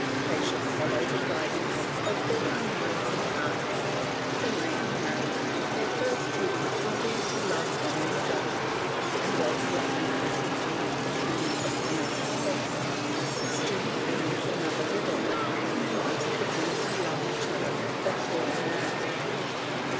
They should follow the guidance of their own eyes and hearts; when they are married their first duty will be to love one another, and as love and hatred do not depend on ourselves, this duty brings another with it, and they must begin to love each other before marriage.